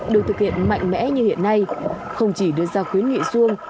được thực hiện mạnh mẽ như hiện nay không chỉ đưa ra khuyến nghị xuông